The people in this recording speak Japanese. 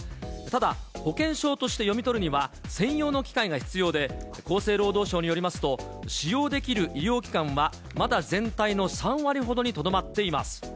ただ、保険証として読み取るには、専用の機械が必要で、厚生労働省によりますと、使用できる医療機関はまだ全体の３割ほどにとどまっています。